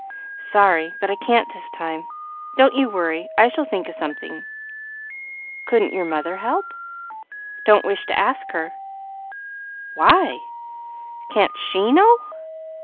"Sorry, but I can't this time. Don't you worry; I shall think of something." "Couldn't your mother help?" "Don't wish to ask her." "Why! can't she know?"